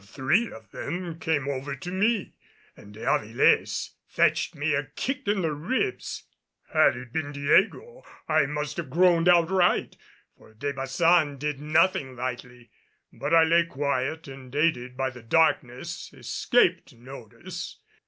The three of them came over to me and De Avilés fetched me a kick in the ribs. Had it been Diego, I must have groaned outright, for De Baçan did nothing lightly. But I lay quiet, and aided by the darkness escaped notice.